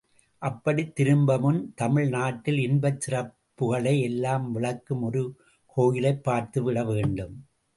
அப்படித் திரும்புமுன் தமிழ் நாட்டில் இன்பச் சிறப்புகளை எல்லாம் விளக்கும் ஒரு கோயிலைப் பார்த்து விட வேண்டும்.